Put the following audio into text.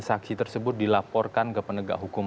saksi tersebut dilaporkan ke penegak hukum